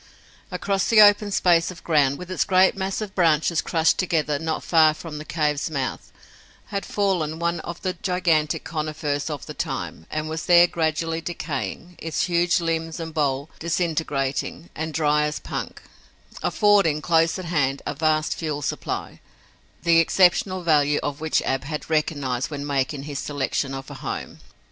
Across the open space of ground, with its great mass of branches crushed together not far from the cave's mouth, had fallen one of the gigantic conifers' of the time, and was there gradually decaying, its huge limbs and bole, disintegrating, and dry as punk, affording, close at hand, a vast fuel supply, the exceptional value of which Ab had recognized when making his selection of a home.